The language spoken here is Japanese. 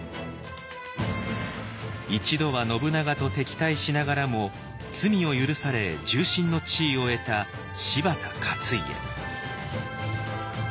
一度は信長と敵対しながらも罪を許され重臣の地位を得た柴田勝家。